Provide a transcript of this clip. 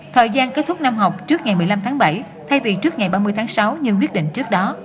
thời gian kết thúc năm học trước ngày một mươi năm tháng bảy thay vì trước ngày ba mươi tháng sáu như quyết định trước đó